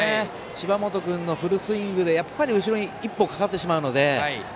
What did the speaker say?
芝本君のフルスイングでやっぱり後ろに一歩かかってしまうので。